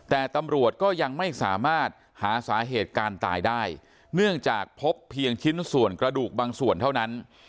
แต่ตำรวจก็ยังไม่สามารถหาสาเหตุการตายได้เนื่องจากพบเพียงชิ้นส่วนกระดูกบางส่วนเท่านั้น